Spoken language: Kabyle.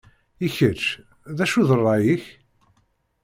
I kečč d acu d rray-ik?